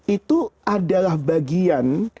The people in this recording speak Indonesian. itu adalah bagian